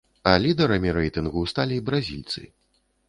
А лідарамі рэйтынгу сталі бразільцы.